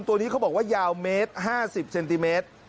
ตัวนี้เขาบอกว่ายาวเมตร๕๐เซนติเมตร